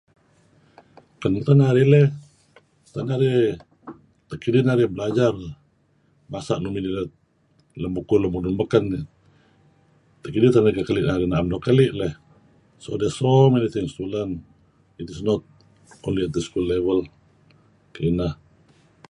"Kei' narih leh tak narih kidih narih belajar masa' nuk midih lem bukuh lun baken eh kidih teh narih keli' narih narih am kekeli' lah ""so the small matter"" nuk ngi sekolah ""is not up to school level"" kineh."